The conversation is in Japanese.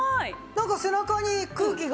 なんか背中に空気が。